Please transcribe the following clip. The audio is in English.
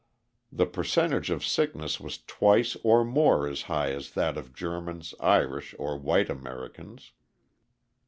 The percentage of sickness was twice or more as high as that of Germans, Irish, or white Americans.